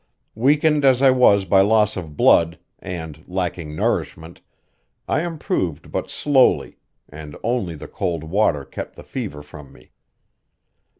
Weakened as I was by loss of blood, and lacking nourishment, I improved but slowly, and only the cold water kept the fever from me.